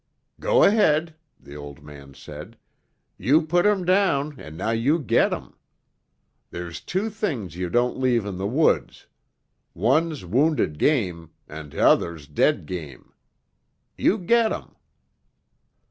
"Go ahead," the old man said. "You put 'em down and now you get 'em. There's two things you don't leave in the woods; one's wounded game and t'other's dead game. You get 'em."